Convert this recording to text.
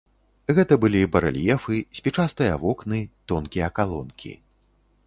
Гэта былі барэльефы, спічастыя вокны, тонкія калонкі.